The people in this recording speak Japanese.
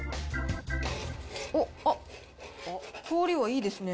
おっ、通りはいいですね。